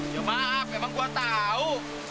ya maaf memang gue tahu